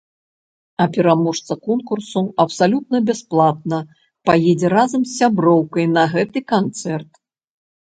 А пераможца конкурсу абсалютна бясплатна паедзе разам з сяброўкай на гэты канцэрт!